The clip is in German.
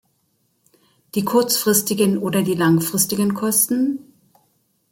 Die kurzfristigen oder die langfristigen Kosten?